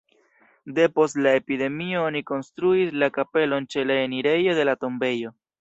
Depost la epidemio oni konstruis la kapelon ĉe la enirejo de la tombejo.